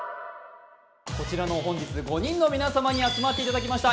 こちらの本日５人の皆様に集まっていただきました